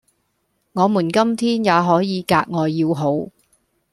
我們今天也可以格外要好，